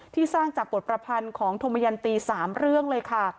สร้างจากบทประพันธ์ของธมยันตี๓เรื่องเลยค่ะ